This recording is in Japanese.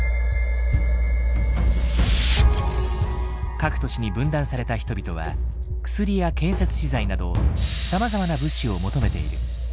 各都市に分断された人々は薬や建設資材などさまざまな物資を求めている。